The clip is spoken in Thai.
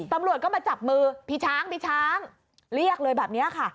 ตำรวจก็มาจับมือพี่ช้างพี่ช้างเรียกเลยแบบนี้ค่ะ